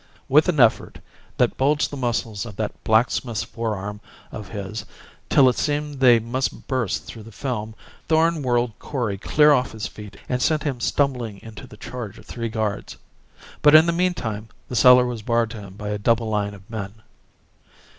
With an effort that bulged the muscles of that blacksmith's fore arm of his till it seemed they must burst through the film, Thorn whirled Kori clear off his feet and sent him stumbling into the charge of three guards. But in the meantime the cellar was barred to him by a double line of men.